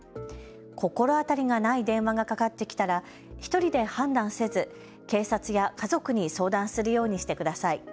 心当たりがない電話がかかってきたら１人で判断せず警察や家族に相談するようにしてください。